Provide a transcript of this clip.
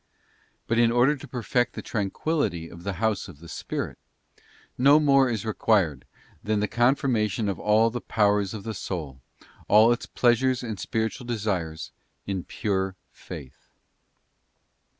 But in order to perfect the tranquillity of the house of the spirit, no more is required than the confirmation of all the powers of the soul, all its pleasures and spiritual desires, in pure faith.